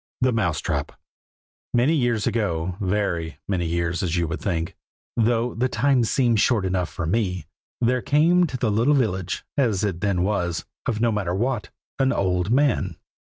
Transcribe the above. THE MOUSE TRAP. MANY years ago, very many years as you would think, though the time seems short enough for me, there came to the little village (as it then was), of Nomatterwhat, an old man.